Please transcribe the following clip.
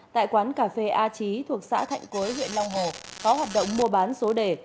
tại quán cà phê a trí thuộc xã thạnh quới huyện long hồ có hoạt động mua bán số đề